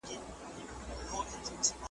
خیبر ته سرود!